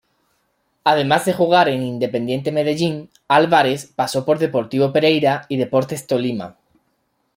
Además de jugar en Independiente Medellín, Álvarez pasó por Deportivo Pereira y Deportes Tolima.